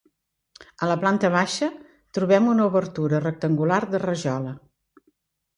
En la planta baixa, trobem una obertura rectangular de rajola.